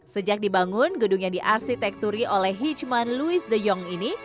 sejak dibangun gedung yang diarsitekturi oleh hichman louis de jong ini